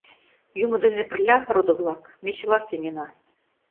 Юмо дене пырля, родо-влак, ме чыла сеҥена.